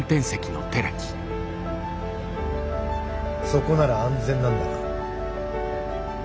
そこなら安全なんだな？